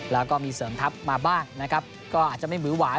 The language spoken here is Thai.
แล้วก็มีเสริมทัพมาบ้างนะครับก็อาจจะไม่หือหวาย